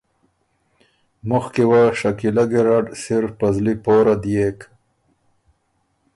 مخکي وه شکیله ګیرډ سِر په زلی پوره ديېک